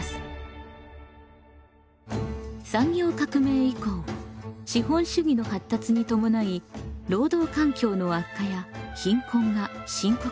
産業革命以降資本主義の発達に伴い労働環境の悪化や貧困が深刻になりました。